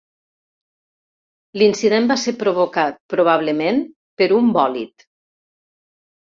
L'incident va ser provocat, probablement, per un bòlid.